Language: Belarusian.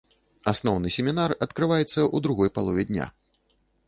Асноўны семінар адкрываецца ў другой палове дня.